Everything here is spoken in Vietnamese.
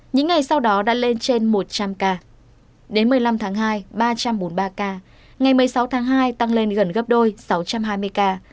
những ngày sau đó đã lên trên một trăm linh ca đến một mươi năm tháng hai ba trăm bốn mươi ba ca ngày một mươi sáu tháng hai tăng lên gần gấp đôi sáu trăm hai mươi ca